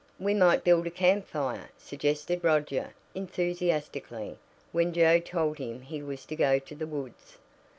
"We might build a campfire," suggested Roger enthusiastically when Joe told him he was to go to the woods.